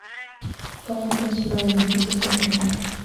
Cada uno tiene su grupo de edificios ceremoniales.